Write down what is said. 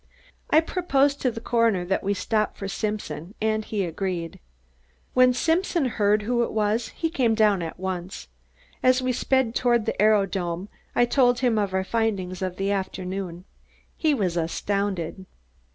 I proposed to the coroner that we stop for Simpson and he agreed. When Simpson heard who it was he came down at once. As we sped toward the aerodrome I told him of our findings of the afternoon. He was astounded.